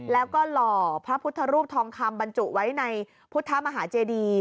แล้วก็หล่อพระพุทธรูปทองคำบรรจุไว้ในพุทธมหาเจดี